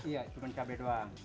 iya cuman cabai doang